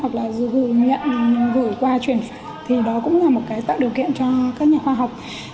hoặc là gửi qua truyền phẩm thì đó cũng là một cái tạo điều kiện cho các nhà khoa học